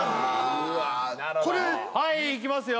これはいいきますよ